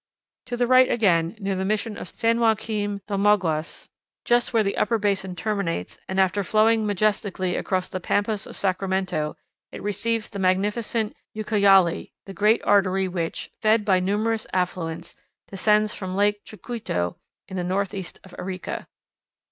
To the right, again, near the mission of San Joachim d'Omaguas, just where the upper basin terminates, and after flowing majestically across the pampas of Sacramento, it receives the magnificent Ucayali, the great artery which, fed by numerous affluents, descends from Lake Chucuito, in the northeast of Arica.